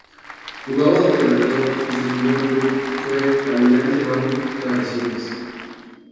Jugaba de delantero y su primer club fue Almirante Brown de Arrecifes.